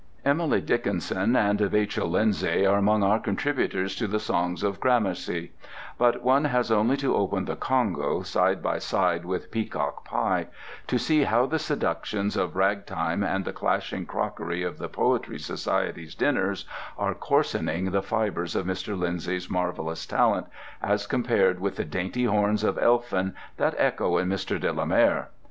Emily Dickinson and Vachel Lindsay are among our contributors to the songs of gramarye: but one has only to open "The Congo" side by side with "Peacock Pie" to see how the seductions of ragtime and the clashing crockery of the Poetry Society's dinners are coarsening the fibres of Mr. Lindsay's marvellous talent as compared with the dainty horns of elfin that echo in Mr. de la Mare.